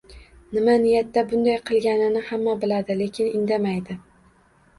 Nima niyatda bunday qilganini hamma biladi, lekin indamaydi